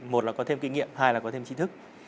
một là có thêm kinh nghiệm hai là có thêm trí thức